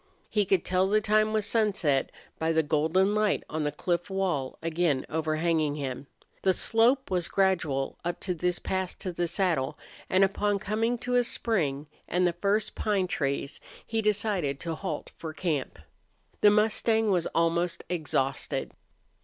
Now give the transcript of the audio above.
He could tell the time was sunset by the golden light on the cliff wall again overhanging him. The slope was gradual up to this pass to the saddle, and upon coming to a spring and the first pine trees, he decided to halt for camp. The mustang was almost exhausted.